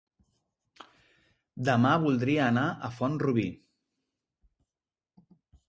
Demà voldria anar a Font-rubí.